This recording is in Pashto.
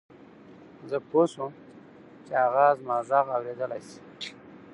زه پوه شوم چې هغه زما غږ اورېدلای شي